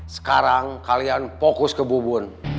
sekarang kalian fokus ke bubun